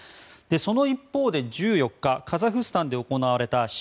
その一方で１４日カザフスタンで行われたＣＩＳ